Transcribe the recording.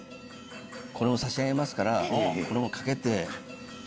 これも差し上げますからかけて。